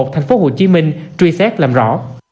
thành phố hồ chí minh truy xét làm rõ